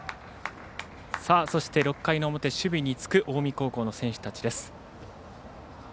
そして６回の表守備につく近江高校の選手たち。